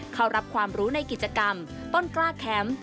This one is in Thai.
เขารับความรู้ในกิจกรรมต้นกล้าแคมป์